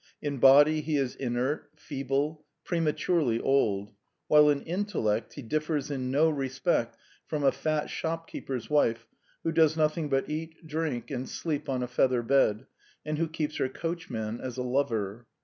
In body he is inert, feeble, prematurely old, while in intellect he differs in no respect from a fat shopkeeper's wife who does nothing but eat, drink, and sleep on a feather bed, and who keeps her coachman as a lover."